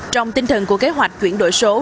trong tinh thần của kế hoạch chuyển đổi số